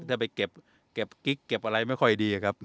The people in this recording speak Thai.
ถ้าไปเก็บกิ๊กเก็บอะไรไม่ค่อยดีครับ